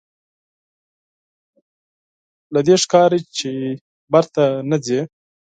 له دې ښکاري چې بېرته نه ځې.